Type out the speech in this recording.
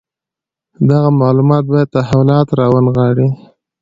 دغه معلومات باید تحولات راونغاړي.